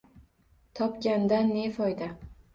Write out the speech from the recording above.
Topgandan ne foyda?